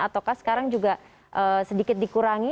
ataukah sekarang juga sedikit dikurangi